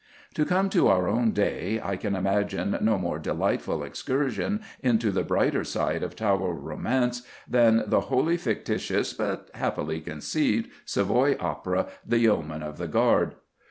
To come to our own day, I can imagine no more delightful excursion into the brighter side of Tower romance than the wholly fictitious but happily conceived Savoy opera, The Yeomen of the Guard.